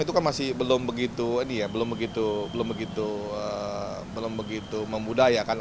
itu kan masih belum begitu memudah